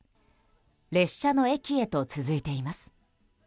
列車の駅へと続いています。